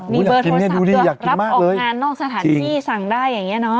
มีเบอร์โทรศัพท์เพื่อรับออกงานนอกสถานที่สั่งได้อย่างนี้เนอ